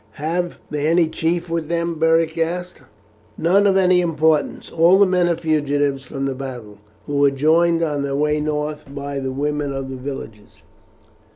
"Have they any chief with them?" Beric asked. "None of any importance. All the men are fugitives from the battle, who were joined on their way north by the women of the villages.